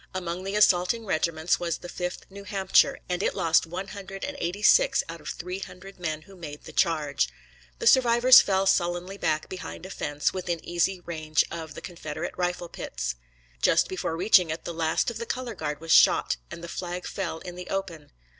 Among the assaulting regiments was the 5th New Hampshire, and it lost one hundred and eighty six out of three hundred men who made the charge. The survivors fell sullenly back behind a fence, within easy range of the Confederate rifle pits. Just before reaching it the last of the color guard was shot, and the flag fell in the open.